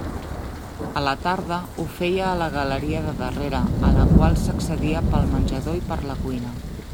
A la tarda ho feia a la galeria de darrere a la qual s'accedia pel menjador i per la cuina.